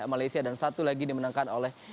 malaysia dan satu lagi dimenangkan oleh